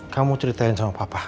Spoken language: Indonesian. kamu ceritain sama papa